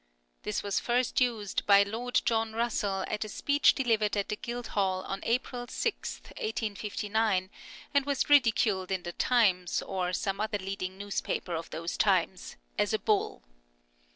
This was first used by Lord John Russell at a speech delivered at the Guildhall on April 6, 1859, and was ridiculed in the Times, or some other leading newspaper of those times, as a bull.